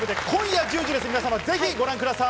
今夜１０時です。